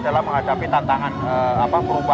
dalam menghadapi tantangan perubahan yang begitu cepat